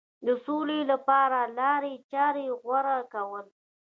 د سولې لپاره لارې چارې غوره کول.